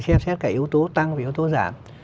xem xét cả yếu tố tăng và yếu tố giảm